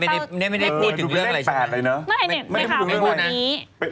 นี่มันไม่ได้พูดถึงเลขแปดเลยนะไม่ข่าวเป็นแบบนี้ไม่ได้พูดถึงเลขแปด